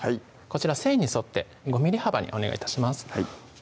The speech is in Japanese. こちら繊維に沿って５ｍｍ幅にお願い致します